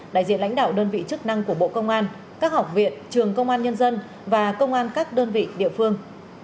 đại diện lãnh đạo đơn vị chức năng của bộ công an các học viện trường công an nhân dân và công an các đơn vị địa phương